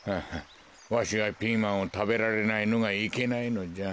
わしがピーマンをたべられないのがいけないのじゃ。